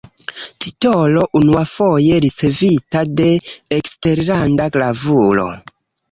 Titolo unuafoje ricevita de eksterlanda gravulo.